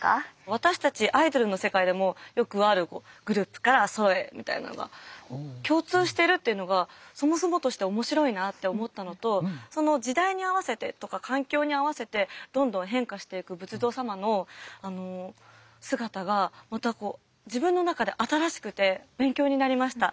私たちアイドルの世界でもよくあるグループからソロへみたいなのが共通してるっていうのがそもそもとして面白いなあって思ったのとその時代に合わせてとか環境に合わせてどんどん変化していく仏像様の姿が自分の中で新しくて勉強になりました。